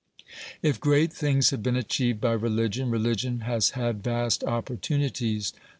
If great things have been achieved by religion, religion has had vast opportunities.